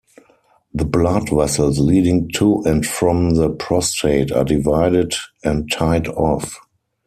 The blood vessels leading to and from the prostate are divided and tied off.